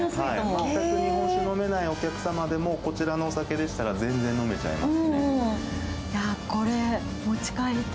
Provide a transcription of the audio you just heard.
全く日本酒飲めないお客様でもこちらのお酒でしたら全然飲めちゃいます。